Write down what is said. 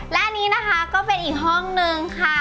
และอันนี้นะคะก็เป็นอีกห้องนึงค่ะ